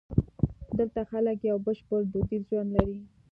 دلته خلک یو بشپړ دودیز ژوند لري.